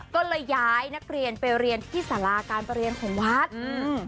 ก็เลยย้ายนักเรียนไปเรียนที่สาราการประเรียนของวัดอืม